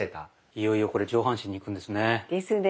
いよいよこれ上半身にいくんですね。ですねぇ。